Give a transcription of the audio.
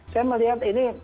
saya melihat ini